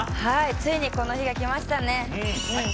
ついにこの日が来ましたね。